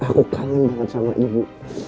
aku pengen banget sama ibu